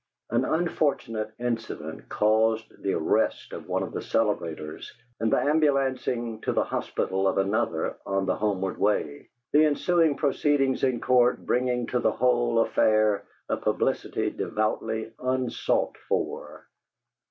An unfortunate incident caused the arrest of one of the celebrators and the ambulancing to the hospital of another on the homeward way, the ensuing proceedings in court bringing to the whole affair a publicity devoutly unsought for.